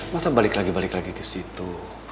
masa balik lagi balik lagi ke situ